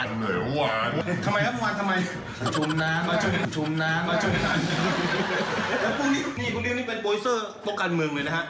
คนเรียวนี้เป็นโต๊กกันเมืองเลยนะฮะ